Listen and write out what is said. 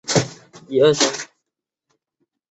赫克托是一个位于美国阿肯色州波普县的城镇。